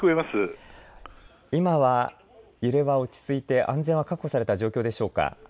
今は揺れは落ち着いて安全は確保された状況でしょうか。